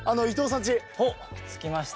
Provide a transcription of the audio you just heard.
着きました。